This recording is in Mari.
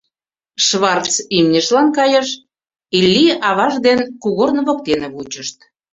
Шварц имньыжлан кайыш, Илли аваж ден кугорно воктене вучышт.